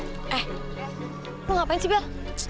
eh lu ngapain sih bel